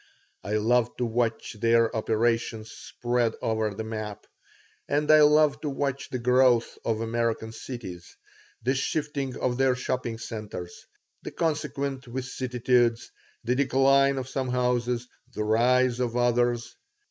I love to watch their operations spread over the map, and I love to watch the growth of American cities, the shifting of their shopping centers, the consequent vicissitudes, the decline of some houses, the rise of others.